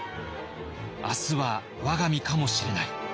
「明日は我が身かもしれない」。